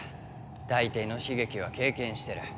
大抵の悲劇は経験してる。